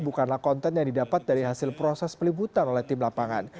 bukanlah konten yang didapat dari hasil proses peliputan oleh tim lapangan